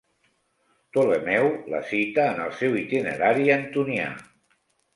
Ptolemeu la cita en el seu Itinerari Antonià.